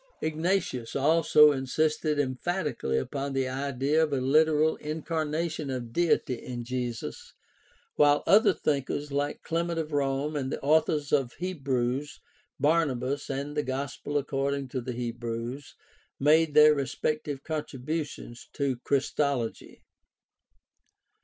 Igna tius also insisted emphatically upon the idea of a literal incarnation of Deity in Jesus, while other thinkers like Clement of Rome and the authors of Hebrews, Barnabas, and the Gospel according to the Hebrews made their respective contributions to Christology.